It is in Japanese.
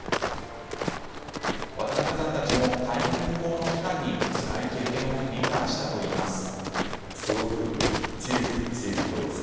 渡邉さんたちもタイミング法の期間につらい経験を繰り返したといいます。